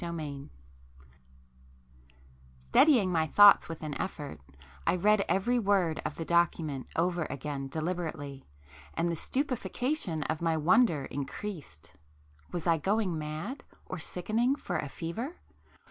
[p 12]II Steadying my thoughts with an effort, I read every word of the document over again deliberately, and the stupefaction of my wonder increased. Was I going mad, or sickening for a fever?